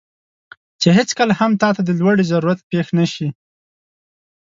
چې هیڅکله هم تاته د لوړې ضرورت پېښ نه شي،